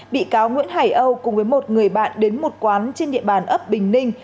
bị cáo nguyễn hải âu cùng với một người bạn đến một quán trên địa bàn ấp bình ninh